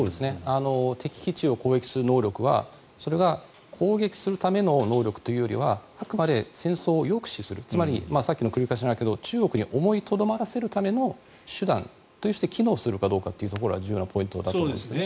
敵基地を攻撃する能力はそれは攻撃するための能力というよりはあくまで戦争を抑止するつまり、さっきの繰り返しになるけど中国に思いとどまらせるための手段として機能するかどうかというところが重要なポイントだと思いますね。